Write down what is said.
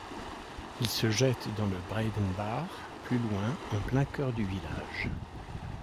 Il se jette dans le Breidenbach plus loin, en plein cœur du village.